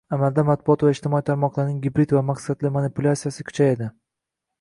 Amalda, matbuot va ijtimoiy tarmoqlarning gibrid va maqsadli manipulyatsiyasi kuchayadi